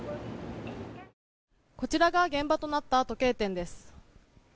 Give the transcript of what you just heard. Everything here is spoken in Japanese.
こちらが現場となった時計店です。